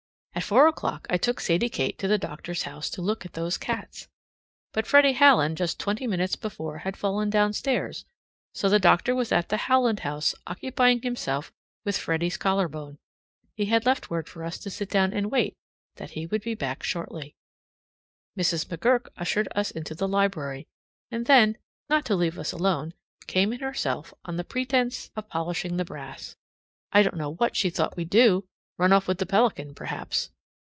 At four o'clock I took Sadie Kate to the doctor's house to look at those cats. But Freddy Howland just twenty minutes before had fallen downstairs, so the doctor was at the Howland house occupying himself with Freddy's collarbone. He had left word for us to sit down and wait, that he would be back shortly. Mrs. McGurk ushered us into the library; and then, not to leave us alone, came in herself on a pretense of polishing the brass. I don't know what she thought we'd do! Run off with the pelican perhaps.